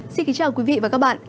xin kính chào quý vị và các bạn